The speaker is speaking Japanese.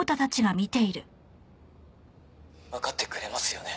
「わかってくれますよね？